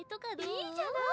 いいじゃない。